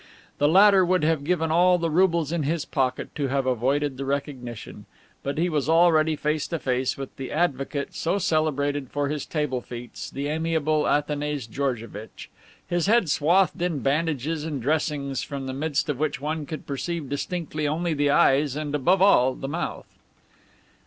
The latter would have given all the roubles in his pocket to have avoided the recognition. But he was already face to face with the advocate so celebrated for his table feats, the amiable Athanase Georgevitch, his head swathed in bandages and dressings from the midst of which one could perceive distinctly only the eyes and, above all, the mouth.